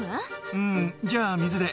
うん、じゃあ、水で。